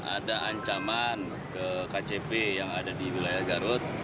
ada ancaman ke kcp yang ada di wilayah garut